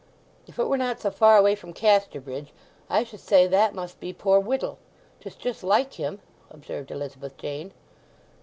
"If it were not so far away from Casterbridge I should say that must be poor Whittle. 'Tis just like him," observed Elizabeth Jane.